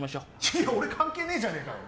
いや、俺関係ねえじゃねえか。